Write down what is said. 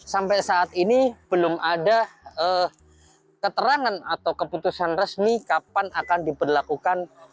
sampai saat ini belum ada keterangan atau keputusan resmi kapan akan diberlakukan